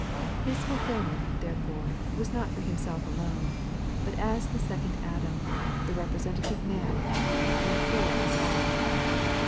His fulfilment, therefore, was not for Himself alone, but as the second Adam, the representative man, and for us all (Isa.